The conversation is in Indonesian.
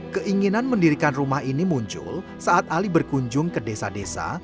keinginan mendirikan rumah ini muncul saat ali berkunjung ke desa desa